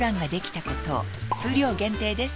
数量限定です